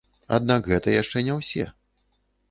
Аднак гэта яшчэ не ўсе.